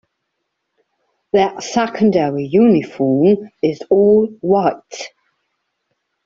Their secondary uniform is all white.